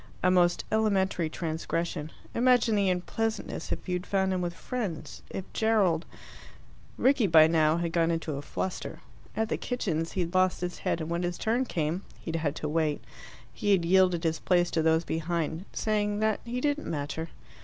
A most elementary transgression. Imagine the unpleasantness if you had found him with friends. If Gerald " Rickie by now had got into a fluster. At the kitchens he had lost his head, and when his turn came he had had to wait he had yielded his place to those behind, saying that he didn't matter.